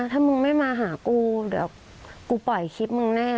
ถ้ามึงไม่มาหากูเดี๋ยวกูปล่อยคลิปมึงแน่